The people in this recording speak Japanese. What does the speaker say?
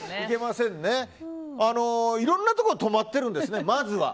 いろんなところに泊まってるんですね。